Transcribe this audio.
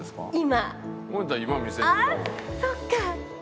ああそっか！